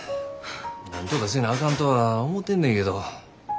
なんとかせなあかんとは思てんねんけど。